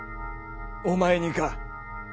お前にか。